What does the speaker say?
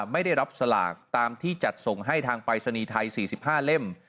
ไม่ได้รับสลากตามที่จัดส่งให้ทางปรายศนีย์ไทย๔๕เล่ม